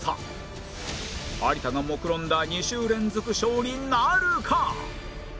有田がもくろんだ２週連続勝利なるか？